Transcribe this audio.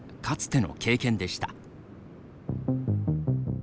かつての経験でした。